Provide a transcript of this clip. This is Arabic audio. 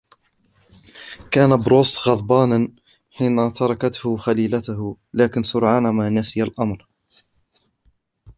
كان بروس غضبانًا حين تركته خليلته ، لكنه سرعان ما نسي الأمر.